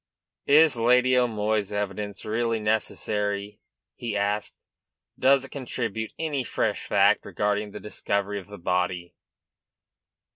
"Is Lady O'Moy's evidence really necessary?" he asked. "Does it contribute any fresh fact regarding the discovery of the body?"